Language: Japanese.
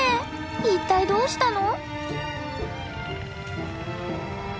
一体どうしたの？